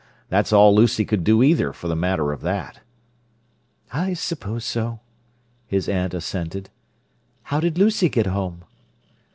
That's all Lucy could do either, for the matter of that." "I suppose so," his aunt assented. "How did Lucy get home?"